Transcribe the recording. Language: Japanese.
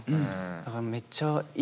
だからめっちゃいいなって。